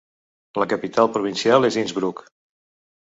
La capital provincial és Innsbruck.